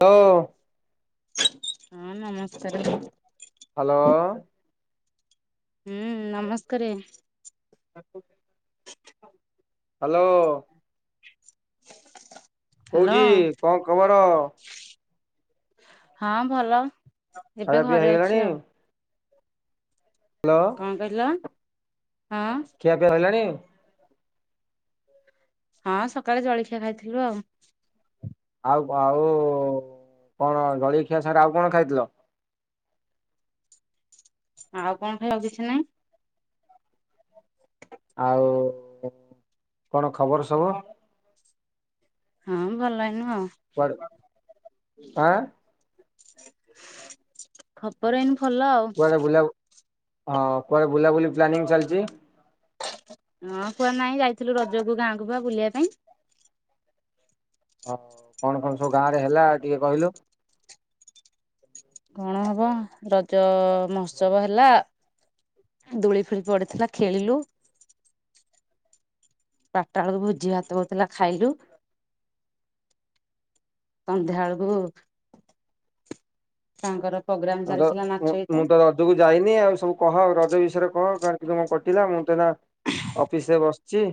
ଓ ହଁ ନମସ୍କାର ହାଲୋ ହୁଁ ନମସ୍କାରେ। [unintelligible] ହାଲୋ। ହ୍ୟାଲୋ କଉଠି କଣ ଖବର? ହଁ ଭଲ ଏବେ ଖାଇବା ପିଇବା ଘରେ ହେଇଗଲାଣି ଅଛି ଆଉ। ହ୍ୟାଲୋ କଣ କହିଲ? ହଁ ଖିଆ ପିଆ ହେଲଣି? ହଁ ସକାଳେ ଜଳଖିଆ ଖାଇଥିଲୁ ଆଉ। ଆଉ ଆଉ କଣ ଜଳିଖିଆ ଛଡା ଆଉ କଣ ଖାଇଥିଲ? ଆଉ କଣ ଖାଇବୁ କିଛି ନାଇଁ ଆଉ କଣ ଖବର ସବୁ? ହଁ ଭଲ ଏଇନୁ ଆଉ କୁଆଡେ ଆଁ ଖବର ଏଇନୁ ଭଲ ଆଉ କୁଆଡେ ବୁଲା ହଁ କୁଆଡେ ବୁଲାବୁଲି ପ୍ଲାନିଂ ଚାଲିଚି ହଁ କୁଆଡେ ନାଇଁ ଯାଇଥିଲୁ ରଜକୁ ଗାଁକୁୁ ବା ବୁଲିବା ପାଇଁ। ହଉ କଣ କଣ ସବୁ ଗାଁ ରେ ହେଲା ଟିକେ କହିଲୁ? କଣ ହବ ରଜ ମହୋତ୍ସବ ହେଲା ଦୂଳି ଫୁଳି ପଡିଥିଲା ଖେଳିଲୁ ବାରଟା ବେଳକୁ ଭୋଜି ଭାତ ହଉଥିଲା ଖାଇଲୁ। ସନ୍ଧ୍ୟାଳୁକୁ ତାଙ୍କର ମୁଁ ତ ନାଚ ମୁଁ ଗୀତ ମୁଁ ତ ରଜକୁ ଯାଇନି ଆଉ ସବୁ କହ ରଜ ବିଷୟରେ କହ କାର କେମିତି କଟିଲା ମୁଁ ଅଫିସରେ ବସିଛି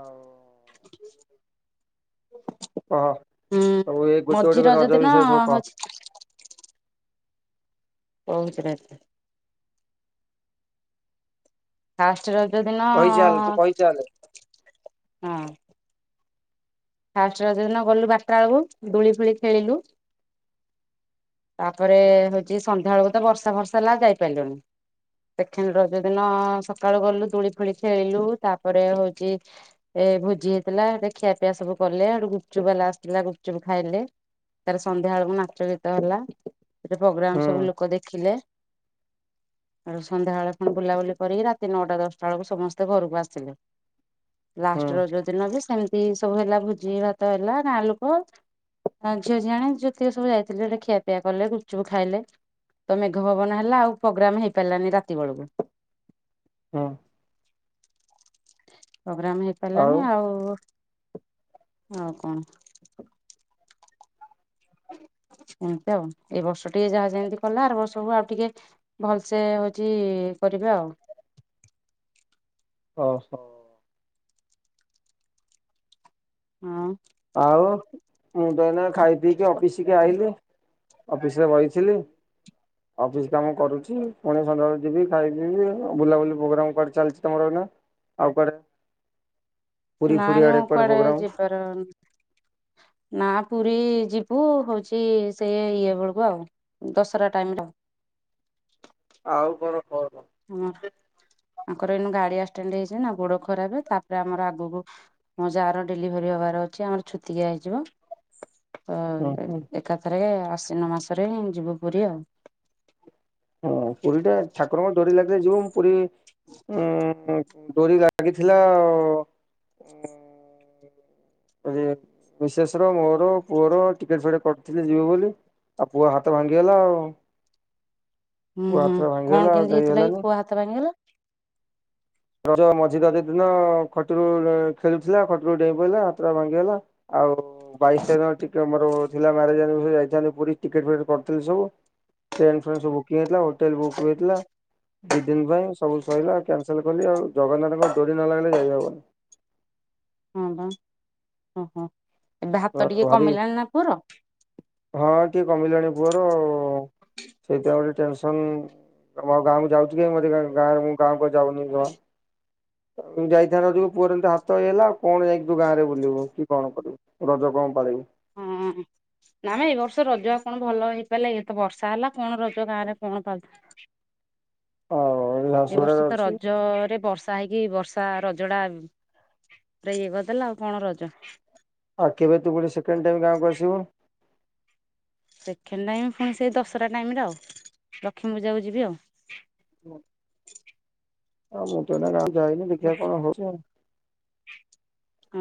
ଆଉ କହ। [inaudible] ହୁଁ ସବୁ ଏଇ ଗୋଟେ ଗୋଟେ ମଝି କରି ରଜ ଦିନ ବିଷୟରେ ସବୁ କହ ହଉଛି। [inaudible] କହୁଛି ରହିଥା ଫାଷ୍ଟ ରଜ ଦିନ କହିଚାଲ ତୁ ହଁ କହିଚାଲେ ଫାଷ୍ଟ ଦିନ ଗଲୁ ବାରଟା ବେଳକୁ ଦୁଳି ଫୁଳି ଖେଳିଲୁ। ତାପରେ ହଉଛି ସନ୍ଧ୍ୟା ବେଳକୁ ତ ବର୍ଷା ବର୍ଷା ହେଲା ଯାଇପାରିଲୁଣିି। ସେକେଣ୍ଡ ରଜ ଦିନ ସକାଳୁ ଗଲୁ ଦୁଳି ଫୁଳି ଖେଳିଲୁ ତାପରେ ହଉଚି ଭୋଜି ହେଇଥିଲା ଏ ଖିଆ ପିଆ ସବୁ କଲେ ଗୁପଚୁପ୍ ବାଲା ଆସିଥିଲା ଗୁପଚୁପ୍ ଖାଇଲେ ତାର ସନ୍ଧ୍ୟା ବେଳକୁ ନାଚ ଗୀତ ହୁଁ ହେଲା [inaudible] ଆଉ ସନ୍ଧ୍ୟାବେଳେ କଣ ବୁଲାବୁଲି କରି ରାତି ନଅଟା ଦଶଟା ବେଳକୁ ସମସ୍ତେ ଘରକୁ ଆସିଲୁ। ହୁଁ ଲାଷ୍ଟ ରଜ ଯୋଉ ଦିନ ବି ସେମିତି ସବୁ ହେଲା ଭୋଜି ଭାତ ହେଲା ଗାଁ ଲୋକ ଆଉ ଝିଅ ଝିଆଣେ ଯେତିକି ସବୁ ଯାଇଥିଲେ ଖିଆପିଆ କଲେ ଗୁପଚୁପ୍ ଖାଇଲେ। ତ ମେଘ ପବନ ହେଲା ଆଉ ପୋଗ୍ରାମ ହେଇପାରିଲାନି ରାତି ବେଳକୁ ହଁ। ପ୍ରୋଗ୍ରାମ ହେଇପାରିଲାନି ଆଉ ଆଉ କଣ। [inaudible] ଏମତି ଆଉ ଏଇ ବର୍ଷ ଟିକେ ଯାହା ଯେମିତି କଲା ଆର ବର୍ଷକୁ ଆଉ ଟିକେ ଭଲସେ ହଉଛି କରିବା ଆଉ। ଓ ହୋ। ହଁ। ଆଉ ମୁଁ ତ ଏଇନା ଖାଇ ପିଇକି ଅଫିସିକି ଆଇଲି। ଅଫିସିରେ ବଇଥିଲି। ଅଫିସ କାମ କରୁଛି ପୁଣି ସନ୍ଧ୍ୟାବେଳେ ଯିବି ଖାଇବି ପିିଇବି। ବୁଲାବୁଲି ପ୍ରୋଗ୍ରାମ କଣ ଚାଲିଛି ତମର ଏଇନା? ଆଉ କୁଆଡେ ପୁରୀ ଫୁୁରି ନାଇଁନୁ ଆଡେ କୁଆଡେକ କୁଆଡେ ପ୍ରୋଗ୍ରାମ? ଯିବାର ନା ପୁରୀ ଯିବୁ ହଉଛି ସେଇ ଇଏ ବେଳକୁ ଆଉ ଦଶହରା ଟାଇମରେ ଆଉ। ଆଉ କଣ? କଣ? [unintelligible] ତାଙ୍କର ଏଇନେ ଗାଡି ଆସ୍କିଡେଣ୍ଡ ହେଇଛି ନା ଗୋଡ ଖରାପ ତାପରେ ଆମର ଆଗକୁ ମୋ ଯାର ଡେଲିଭରି ହବାର ଛି ଆମର ଛୁତିକିଆ ହେଇଯିବ। [inaudible] ତ ହୁଁ ହୁଁ ଏକାଥରେ ଆଶ୍ୱିନ ମାସରେ ଯିବୁ ପୁରୀ ଆଉ। ହଁ ପୁରୀଟା ଠାକୁରଙ୍କର ଡୋରି ଲାଗିଲେ ଯିବ ପୁରୀ ଉମ୍ ଡୋରି ଲା ଲାଗିଥିଲା ଉମ୍ ମିସେସର ମୋର ପୁଅର ଟିକେଟ୍ ଫେକେଟ୍ କରିଥିଲୁ ଯିବୁ ବୋଲି ଆଉ ପୁଅ ହାତ ଭାଙ୍ଗିଗଲା ଆଉ। ହୁଁ ପୁଅ ହୁଁ ହାତ କଣ ଭାଙ୍ଗିଗଲା ଆଉ କେମିତି ହେଇଥିଲା କି ଯାଇହେଲାନି। ପୁଅ ହାତ ଭାଙ୍ଗିଗଲା? ରଜ ମଝି ଦିନ ଖଟିରୁ ଖେଳୁଥିଲା ଖଟିରୁ ଡେଇଁ ପଇଲା ହାତଟା ଭାଙ୍ଗିଗଲା ଆଉ ବାଇଶ ତାରିଖ ଟିକେ ମୋର ଥିଲା ମ୍ୟାରେଜ୍ ଆନିଭର୍ସେରି ଯାଇ ପୁରୀ ଟିକେଟ ଫିକେଟ କରିଥିଲି ସବୁ ଟ୍ରେନ୍ ଫେନ୍ ସବୁ ବୁକିଙ୍ଗ୍ ହେଇଥିଲା ହୋଟେଲ ବୁକ୍ ହୋଇଥିଲା ଦି ଦିନ ପାଇଁ ସବୁ ସରିଲା ଖ ଆଉ ଜଗନ୍ନାଥଙ୍କ ଡୋରି ନଲାଗିଲେ ଯାଇ ହବନି। ହଁ ବା ଓହୋ। ଏବେ ହାତ ଟିକେ ଭାରି କମିଲାଣି ନା ପୁଅର? ହଁ ଟିକେ କମିଲାଣି ପୁଅର ଆଉ। ସେଇଥି ପାଇଁ ଗୋଟେ ଟେନସନ୍ ତମ ଗାଁକୁ ଯାଉଛି କି ମତେ ଗାଁ ମୁଁ ଗାଁକୁ ଯାଉନି ଜମା। ଯାଇଥାନ୍ତୁ ପୁଅର ଏମିତି ହାତ ହେଇଗଲା ଆଉ କଣ ଯାଇକି ତୁ ଗାଁରେ ବୁଲିବୁ କି କଣ କରିବୁ। ରଜ କଣ ପାଳିବୁ। ହଁ ନା ମ ଏଇ ବର୍ଷ ରଜ ଆଉ କଣ ଭଲ ହେଇ କହିଲେ ଇଏ ତ ବର୍ଷା ହେଲା କଣ ରହୁଛ ଗାଁ ରେ କଣ ପାଳୁଛ ଅ ଏ ବର୍ଷ ତ ରଜରେ ବର୍ଷା ବର୍ଷା ହେଇକି ବର୍ଷା ରଜଟା ପୁରା ଇଏ କରିଦେଲା ଆଉ କଣ ରଜ। ହଁ କେବେ ତୁ ପୁଣି ସେକେଣ୍ଡ ଟାଇମ ଗାଁକୁ ଆସିବୁ? ସେକେଣ୍ଡ ଟାଇମ ପୁଣି ସେଇ ଦଶହରା ଟାଇମରେ ଆଉ, ଲକ୍ଷ୍ମୀ ପୂଜାକୁ ଯିବି ଆଉ। [unintelligible] [inaudible] ଆଉ ମୁଁ ତ ଏଇନା ଗାଁକୁ ଯାଇନି ଦେଖିବା କଣ ହଉଛି ଆଉ।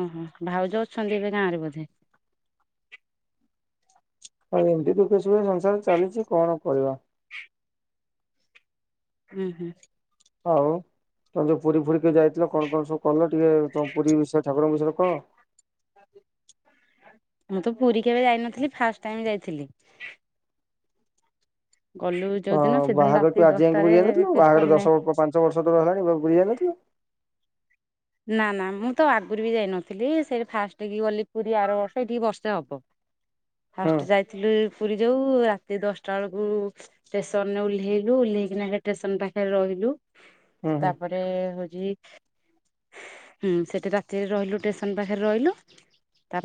ଓହୋ ଭାଉଜ ଅଛନ୍ତି ଏବେ ଗାଁ ରେ ବୋଧେ? ଆଉ ଏମିତି ଦୁଃଖେ ସୁଖେ ସଂସାର ଚାଲିଛି କଣ କହିବା। ହୁଁ - ହୁଁ। ହଉ। ତମେ ଯୋଉ ପୁରୀ ଫୁୁରୀ କି ଯାଇଥିଲ କଣ କଣ ସବୁ କଲ, ଟିକେ ତମ ପୁରୀ ବିଷୟରେ ଠାକୁରଙ୍କ ବିଷୟରେ କହ। [unintelligible] ମୁଁ ତ ପୁରୀ କେବେ ଯାଇ ନଥିଲି, ଫାଷ୍ଟ ଟାଇମ ଯାଇଥିଲି। ଗଲୁ ହଁ, ଯୋଉଦିନ ସେଦିନ ବାହାଘର ରାତି ଠୁ ଆଜି ଯାଏଁ ଦଶଟାରେ ପୁରୀ ଯାଇ ନଥିଲୁ, ବାହାଘର ଷ୍ଟେସନରେ ଦଶ ପାଞ୍ଚ ବର୍ଷ ଧରି ହେଲାଣି ପୁରୀ ଯାଇ ନଥିଲୁ। ନା ନା ମୁଁ ତ ଆଗରୁ ବି ଯାଇନଥିଲି ସେ ଫାଷ୍ଟ କି ଗଲି ପୁରୀ ଆର ବର୍ଷ ଏଇଠିକି ବର୍ଷେ ହବ। ହୁଁ ଫାଷ୍ଟ ଯାଇଥିଲୁ ପୁରୀ ଯୋଉ, ରାତି ଦଶଟା ବେଳକୁ ଷ୍ଟେସନରେ ଓହ୍ଲେଇଲୁ, ଓହ୍ଲାଇକିନା ସେ ଷ୍ଟେସନ ପାଖରେ ରହିଲୁ। ହୁଁ। ତାପରେ ହଉଛି ହୁଁ, ସେଠି ରାତିରେ ରହିଲୁ ଷ୍ଟେସନ ପାଖରେ ରହିଲୁ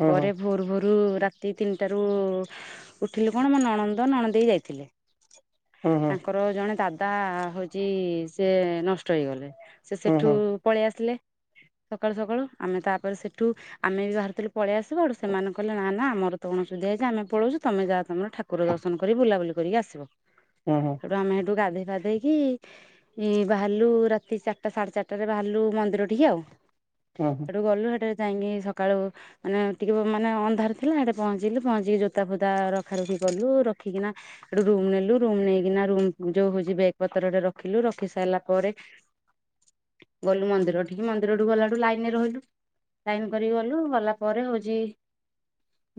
ହୁଁ ଭୋରୁ ଭୋରୁ ରୁ ରାତି ତିନିଟା ରୁ ଉଠିଲୁ କଣ ମୋ ନଣନ୍ଦ ନଣଦେଇେ ଯାଇଥିଲେ। ହୁଁ ହୁଁ ତାଙ୍କର ଜଣେ ଦାଦା ହଉଚି ସେ ନଷ୍ଟ ହେଇଗଲେ। ସେ ହୁଁ ସେଠୁ ହୁଁ ପଳେଇ ଆସିଲେ। [unintelligible] ସକାଳୁ ସକାଳୁ ଆମେ ତାପରେ ସେଠୁ ଆମେ ବି ବାହାରିଥିଲୁ ପଳେଇଆସିବୁ। ସେମାନେ କହିଲେ ନା ନା ଆମର ତ ଅଣସୁଧିଆ- ଇକା ଆମେ ପଳଉଛୁ ତମେ ଯାହା ତମର ଠାକୁର ଦର୍ଶନ କରି ବୁଲାବୁଲି କରିକି ଆସିବ। ହୁଁ ସେଠୁ ଆମେ ଗାଧେଇ ଫାଧେଇକି ଇଁ ବାହାରିଲୁ ରାତି ଚାରିଟା ସାଢେ ଚାରିଟାରେ ବାହାରିଲୁ ମନ୍ଦିର ଠିକି ଆଉ। ହୁଁ ହୁଁ ସେଠୁ ଗଲୁ ସେଠକି ଯାଇକି ସକାଳୁ ମାନେ ଟିକେ ମାନେ ଅନ୍ଧାର ଥିଲା ସେଠି ପହଞ୍ଚିଲୁ ପହଞ୍ଚିକି ଜୋତା ଫୋତା ରଖା ରଖି କଲୁ ରଖିକିନା [unintelligible] ରୁମ ନେଲୁ, ରୁମ ନେଇକିନା ରୁମ ଯୋଉଁ ହଉଛି ବେଗ ପତ୍ରରେ ରଖିଲୁ, ରଖି ସାରିଲା ପରେ [unintelligible] ଗଲୁ ମନ୍ଦିର ଟି। ମନ୍ଦିରଠୁ ଗଲାଠୁ ଲାଇନରେ ରହିଲୁ, ଲାଇନ କରିକି ଗଲୁ, ଗଲା ପରେ ହଉଚି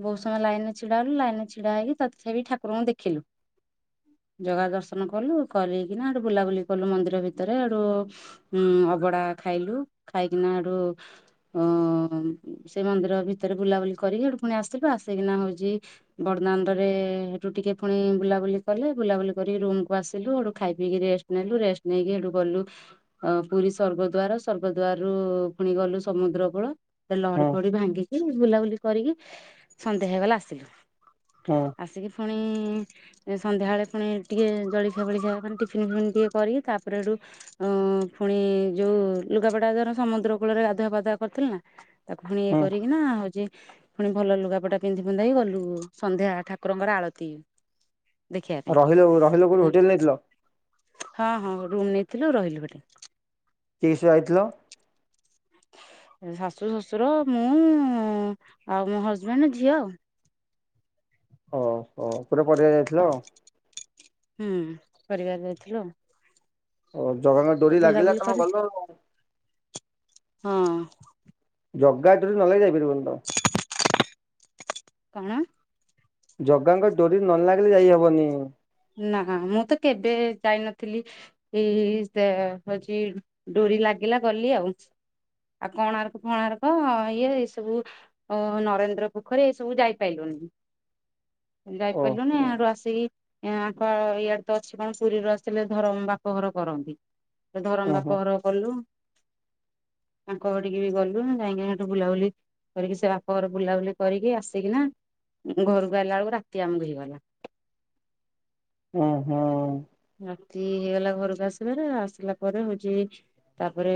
ବହୁତ ସମୟ ଲାଇନରେ ଛିଡାହେଲୁ, ଲାଇନରେ ଛିଡା ହେଇକି ତଥାପି ଠାକୁରଙ୍କୁ ଦେଖିଲୁ। [unintelligible] ଜଗା ଦର୍ଶନ କଲୁ କରିକିନା ସେଠୁ ବୁଲାବୁଲି କଲୁ ମନ୍ଦିର ଭିତରେ ସେଠୁ ଉଁ ଅଭଡ଼ା ଖାଇଲୁ। ଖାଇକିନା ସେଠୁ ଉଁ ଶ୍ରୀମନ୍ଦିର ଭିତରେ ବୁଲାବୁଲି କରିକି ସେଠୁ ପୁଣି ଆସିଲୁ ଆ ଆସିକିନା ହଉଚି ବଡଦାଣ୍ଡରେ ସେଠୁ ଟିକେ ପୁଣି ବୁଲାବୁଲି କଲେ ବୁଲାବୁଲି କରିକି ରୁମ୍ ଆସିଲୁ ସେଠୁ ଖାଇ ପିଇକି ରେଷ୍ଟ ନେଲୁ, ରେଷ୍ଟ ନେଇକି ସେଠୁ ଗଲୁ ଅ ପୁରୀ ସ୍ୱର୍ଗଦ୍ୱାର ସ ସ୍ୱର୍ଗଦ୍ୱାର ରୁ ପୁଣି ଗଲୁ ସମୁଦ୍ର କୂଳ, ସେଠି ଲହଡି ହୁଁ ହୁଁ ଫହଡି ଭାଙ୍ଗିକି ବୁଲାବୁଲି କରିକି ସନ୍ଧ୍ୟା ହେଇଗଲା ଆସିଲୁ। ହୁଁ ଆସିକି ଫୁଣି ସନ୍ଧ୍ୟାବେଳେ ପୁଣି ଟିକେ ଜଳିଖିଆ ବଳିଖିଆ ମାନେ ଟିଫିନ ଫିଫିନ ଟିକେ କରିକି ତାପରେ ଏଠୁ ଉଁ- ଫୁଣି ଯୋଉଁ ଲୁଗାପଟା ଧର ସମୁଦ୍ର କୂଳରେ ଗାଧୁଆ ପାଧୁଆ କରିଥିଲୁନା ତାକୁ ପୁଣି ଇଏ ହୁଁ କରିକିନା ହଉଚି ପୁଣି ଭଲ ଲୁଗାପଟା ପିନ୍ଧି ପୁନ୍ଧାକି ଗଲୁ ସନ୍ଧ୍ୟା ଠାକୁରଙ୍କର ଆଳତି ଦେଖିବା ରହିଲ ରହିଲ କୋଉଠି ପାଇଁ। ହୋଟେଲ ନେଇଥିଲ ହଁ, ହଁ ରୁମ ନେଇ ଥିଲୁ ରହିଲୁ ଭାରି। କିସରେ ଆଇଥିଲ? ଶାଶୁ ଶ୍ୱଶୁର ମୁଁ ଆଉ ମୋ ହଜବେଣ୍ଡ ଝିଅ ଆଉ। ଓହୋଃ ପୁରା ପରିବାର ଯାଇଥିଲ ଆଉ। ହୁଁ ପରିବାର ଯାଇଥିଲୁ ଆଉ। ଓଃ ଜଗାଙ୍କ ତ ଡୋରି ଲାଗିଲା ବୁଲାବୁଲି ତମେ କରି ଗଲ ଆଉ। ହଁ। ଜଗା ଡୋରି ନ ଲାଗିଲେ ଯାଇପାରିବନି ତମେ। [unintelligible] କଣ? ଜଗାଙ୍କ ଡୋରି ନ ଲାଗିଲେ ଯାଇହବନି। ନାଆ ମୁଁ ତ କେବେ ଯାଇନଥିଲି ଏ ସେ ହଉଛି ଡୋରି ଲାଗ ଗିଲା ଗଲି ଆଉ। ଆଉ କୋଣାର୍କ ଫଣାର୍କ ଇଏ ଏ ସବୁ ଅ ନରେନ୍ଦ୍ର ପୋଖରୀ ଏ ସବୁ ଯାଇପାଇଲୁନି। [unintelligible] ଯାଇପାରିଲୁନି ଓହୋ ଆଡୁ ଆସିକି ୟାଙ୍କ ଇଆଡ଼େ ତ ଅଛି କଣ ପୁରୀରୁ ଆସିଲେ ଧରମ ବାପଘର କରନ୍ତି। ହୁଁ ଧରମ ହୁଁ ବାପ ଘର କଲୁ [inaudible] ତାଙ୍କ ଟିକେ ବି ଗଲୁ ଯାାଇଁକି ସେଠୁ ବୁଲାବୁଲି କରିକି ସେ ବାପା ଘର ବୁଲାବୁଲି କରିକି ଆସିକି ନା ଘରକୁ ଆଇଲା ବେଳକୁ ରାତି ଆମକୁ ହେଇଗଲା। ଓ ହଁ। ରାତି ହେଇଗଲା ଘରକୁ ଆସିବାରେ ଆସିଲା ପରେ ହଉଛି ତାପରେ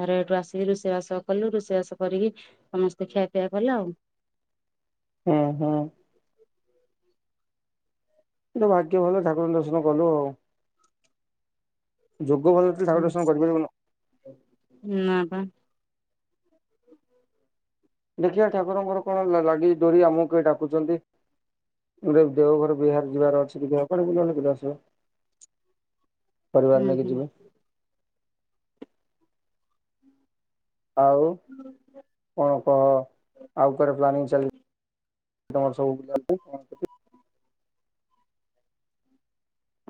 ଘରେ ଏଇଠୁ ଆସିକି ରୁଷେଇବାସ କଲୁ ରୁଷେଇବାସ କରିକି ସମସ୍ତେ ଖିଆପିଆ କଲ ଆଉ। ଉଁ ହୁଁ। ଏଇଟା ଭାଗ୍ୟ ଭଲ ଠାକୁରଙ୍କ ଦର୍ଶନ କଲୁ ଆଉ। ଯୋଗ ଭଲ ନଥିଲେ ଠାକୁର ହଁ ଦର୍ଶନ କରିପାରିବୁନୁ। ନାପା [inaudible] ଦେଖିବା ଠାକୁରଙ୍କର କଣ ଲାଗିଛି ଡୋରି ଆମକୁ କେବେ ଡାକୁଛନ୍ତି। ଗୁଟେ ଦେଓଘର ବିହାର ଯିବାର ଅଛି ଦେହ କଣ ବୁଲ ପରିବାର ହୁଁ ନେଇକି ହୁଁ ଯିବେ। ଆଉ କଣ କହ ଆଉ କୁଆଡେ ପ୍ଲାନିଂ ଚାଲି ତମର ସବୁ [unintelligible]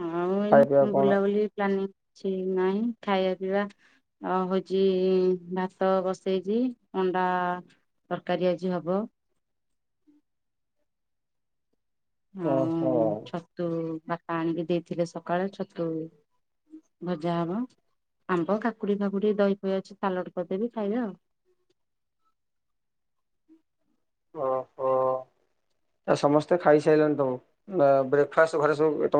ଆଉ ଖାଇବା ପିଇବା ଏଇନୁ କଣ? ବୁଲାବୁଲି ପ୍ଲାନିଂ କିଛିନାଇଁ ଖାଇବା ପିଇବା ଅ ହଉଛି ଭାତ ବସେଇଛି ଅଣ୍ଡା ତରକାରୀ ଆଜି ହବ। ଓହୋ ଆଉ ଛତୁ ବାପା ଆଣିକି ଦେଇଥିଲେ ସକାଳେ ଛତୁ ଭଜା ହବ ଆମ୍ବ କାକୁଡି ଫାକୁଡି ଦହି ଫହି ଅଛି ସାଲଡ କରିଦବି ଖାଇବେ ଆଉ। [inaudible] ଓହୋ ଆ ସମସ୍ତେ ଖାଈସାଇଲଣୀ ତମେ ବ୍ରେକ୍ଫାଷ୍ଟ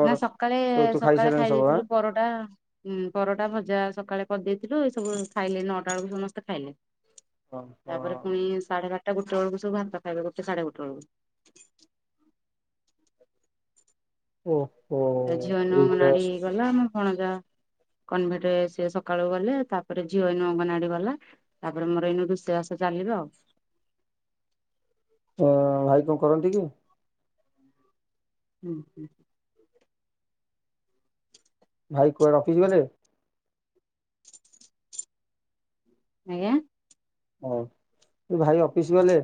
ନା ସକାଳେ ସକାଳେ ଖାଇ ସବୁ ଆଁ ଦେଇଥିଲୁ ପରଟା ଉଁ ପରଟା ଭଜା ସକାଳେ କରିଦେଇଥିଲୁ ଏ ସବୁ ଖାଇଲେ ନଅଟା ବେଳକୁ ସମସ୍ତେ ଖାଇଲେ ତାପରେ ପୁଣି ଓହୋ ସାଢେ ବାରଟା ଗୋ ଗୋଟେ ବେଳକୁ ସବୁ ଭାତ ଖାଇବେ ଗୋଟେ ସାଢେ ଗୋଟେ ବେଳକୁ। ଓଃ ତା ଝିଅ ନୁଅଙ୍କ ନାଡି ଗଲା ଆମ ଭଣଜା [inaudible] କନଭେଟ ସେ ସକାଳୁ ଗଲେ ତାପରେ ଝିଅ ଏଇନୁ ଅଙ୍ଗନାଡି ଗଲା ତାପରେ ମୋର ଏଇନୁ ରୁସେଇବାସ ଚାଲି ପ୍ଲସ ଅ ଭାଇ କଣ କରନ୍ତି କି? ଉଁ ହୁଁ। ଭାଇ କୁଆଡେ ଅଫିସ ଗଲେ? ଆଞା। ହଁ ମୋ ଭାଇ ଅଫିସ ଗଲେ?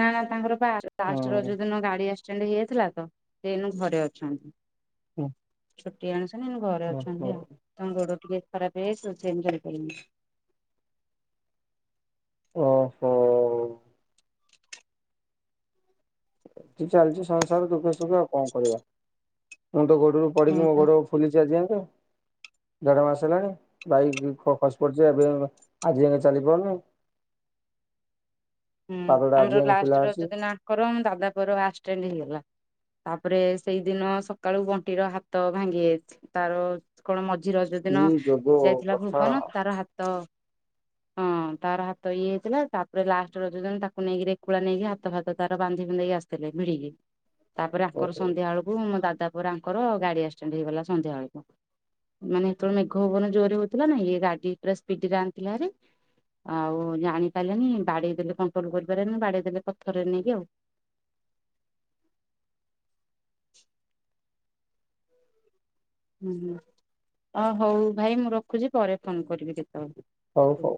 ନା ନା ତାଙ୍କର ବା ଫାର୍ଷ୍ଟ ହଁ ରଜ ଦିନ ଗାଡ଼ି ଆ ଆକ୍ସିଡେଣ୍ଟ ହେଇଯଥିଲା ତ ସେ ଏଇନୁ ଘରେ ଅଛନ୍ତି। ହୁଁ। ଛୁଟି ଆଣିସନି ଏଇନୁ ଘରେ ଅଛନ୍ତି ଓହୋ। ଆଉ ତାଙ୍କ ଗୋଡ ଟିକେ ଖରାପ ହେଇ ଯାଇଛି ତ ସେ ଯାଇ ପାରୁ ଓହୋ-ଅ ଏଠି ଚାଲିଛି ସଂସାର ଦୁଃଖ ସୁଖ ଆଉ କଣ କରିବା। ମୁଁ ତ ଗୋଡରୁ ପଡିକି ହଁ ମୋ ପା ଗୋଡ ଫୁଲିଛି ଅଜି ଯାଙ୍କେ। ଦେଢ ମାସ ହେଲାଣି ବାଇକ ଖ-ଖସି ପଡିଚ ଏବେ ଆଜି ଯାକ ଚାଲି ପାରୁନି [inaudible] ହୁଁ ପାଦଟା ଆଜି ଆମର ଯାକେ ଫୁଲା ଲାଷ୍ଟ ରଜ ଅଛି ଦିନ ଆଙ୍କର ଆମ ଦାଦା ପୁଅର ଆକ୍ସଡେଣ୍ଟ ହେଇଗଲା। ତାପରେ ସେଇଦିନ ସକାଳୁ ବଣ୍ଟି ର ହାତ ଭାଙ୍ଗି ଯାଇଛି ତାର କଣ ମଜା। ଜି ରଜ କି ଦିନ ଯୋଗ ଯାଇଥିଲା କଥା ଭୁବନ ତାର ହାତ ହଁ ତାର ହାତ ଇଏ ହେଇଥିଲା ତାପରେ ଲାଷ୍ଟ୍। ଯ ରଜ ଦିନ ତାକୁ ନେଇକିରେ ଏକୁଳା ନେଇକି ହାତ ଫାତ ତାର ବାନ୍ଧିବନ୍ଧେଇ ଆସିଥିଲେ ଭିଡିକି। ତାପରେ ଆଙ୍କର ଓହୋ ସନ୍ଧ୍ୟାକୁ ମୋ ଦାଦା ପୁଅର ଆଙ୍କର ଗାଡି ଆକ୍ସିଡେଣ୍ଟ ହେଇଗଲା ସନ୍ଧ୍ୟା ବେଳକୁ। ମାନେ ହେତବେଳକୁ ମେଘ ଭବନ ଜୋରରେ ହଉଥିଲା ନା ଇଏ ଗାଡି ପୁରା ସ୍ପିଡରେ ଆଣିଥିଲା ହେରି। ଆଉ ଜାଣି ପାରିଲେନି ବାଡ଼େଇ। ହେଲେ କଣ୍ଟ୍ରୋଲ କରିପାରିଲେନି ବାଡିେଇ ଦେଲେ ପଥରରେ ନେଇକି ଆଉ। [inaudible] ହୁଁ ହୁଁ ଅ ହଉ ଭାଇ ମୁଁ ରଖୁଛି ପରେ ଫୋନ କରିବି ଦି ହଉ ହଉ।